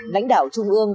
lãnh đạo trung ương